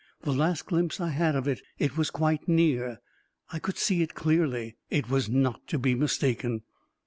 The last glimpse I had of it, it was quite near : I could see it clearly — it was not to be mistaken